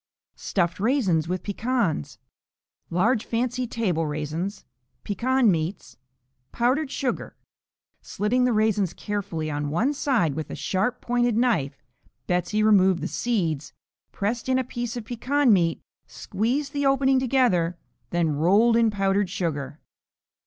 Stuffed Raisins with Pecans Large fancy table raisins. Pecan meats. Powdered sugar. Slitting the raisins carefully on one side with a sharp pointed knife, Betsey removed the seeds, pressed in a piece of pecan meat, squeezed the opening together, then rolled in powdered sugar.